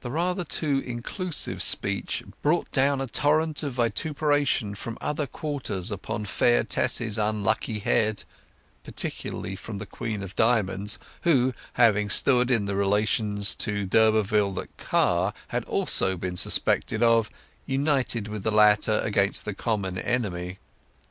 The rather too inclusive speech brought down a torrent of vituperation from other quarters upon fair Tess's unlucky head, particularly from the Queen of Diamonds, who having stood in the relations to d'Urberville that Car had also been suspected of, united with the latter against the common enemy.